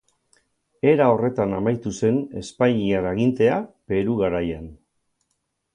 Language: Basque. Era horretan amaitu zen espainiar agintea Peru Garaian.